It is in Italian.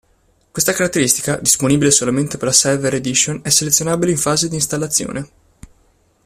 Questa caratteristica, disponibile solamente per la Server Edition, è selezionabile in fase di installazione.